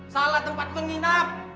salah tempat menginap